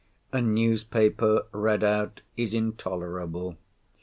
A newspaper, read out, is intolerable.